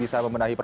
a sampai z